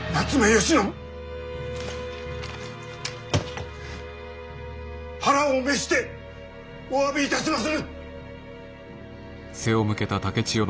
吉信腹を召してお詫びいたしまする！